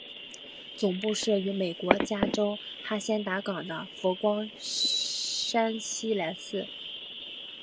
总部设于美国加州哈仙达岗的佛光山西来寺。